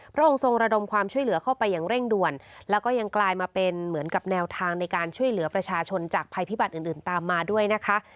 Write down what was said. พระองค์ทรงระดมความช่วยเหลือเข้าไปอย่างเร่งด่วนแล้วก็ยังกลายมาเป็นเหมือนกับแนวทางในการช่วยเหลือประชาชนจากภัยพิบัตรอื่นอื่นตามมาด้วยนะคะ